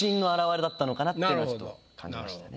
だったのかなっていうのはちょっと感じましたね。